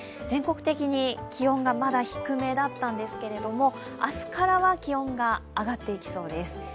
全国的に気温がまだ低めだったんですけれども明日からは気温が上がっていきそうです。